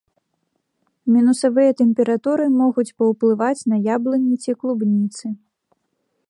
Мінусавыя тэмпературы могуць паўплываць на яблыні ці клубніцы.